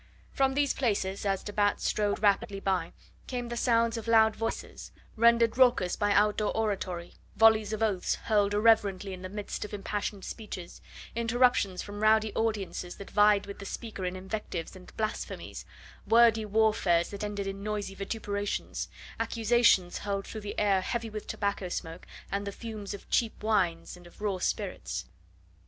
From these places, as de Batz strode rapidly by, came sounds of loud voices, rendered raucous by outdoor oratory; volleys of oaths hurled irreverently in the midst of impassioned speeches; interruptions from rowdy audiences that vied with the speaker in invectives and blasphemies; wordy war fares that ended in noisy vituperations; accusations hurled through the air heavy with tobacco smoke and the fumes of cheap wines and of raw spirits.